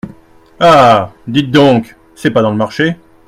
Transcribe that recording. Ah ! dites donc ! c'est pas dans le marché.